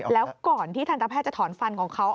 แล้วก่อนที่ทันตแพทย์จะถอนฟันของเขา